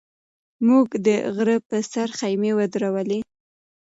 موږ د غره په سر خیمې ودرولې.